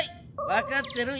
わかってる？